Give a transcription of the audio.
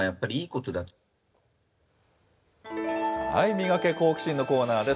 ミガケ、好奇心！のコーナーです。